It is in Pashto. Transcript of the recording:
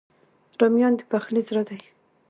رومیان د پخلي زړه دي